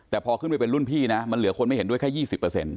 แต่พอขึ้นไปเป็นรุ่นพี่นะมันเหลือคนไม่เห็นด้วยแค่๒๐